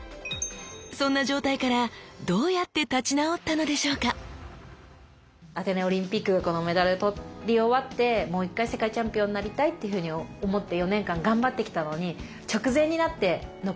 そんな状態からどうやって立ち直ったのでしょうかアテネオリンピックこのメダル取り終わってもう一回世界チャンピオンになりたいと思って４年間頑張ってきたのに直前になってのケガだったんですね腰痛。